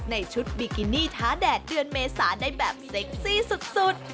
ในชุดบิกินี่ท้าแดดเดือนเมษาได้แบบเซ็กซี่สุด